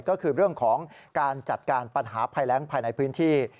ก็คือเรื่องของการจัดการปัญหาภัยแรงภายในพื้นที่